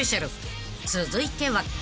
［続いては］